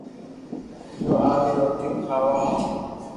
جو ا، ي روٽي کاو ھون